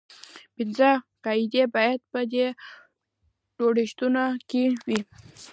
پنځه قاعدې باید په دې جوړښتونو کې وي.